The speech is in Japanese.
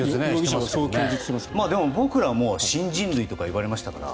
僕らも新人類とか言われましたから。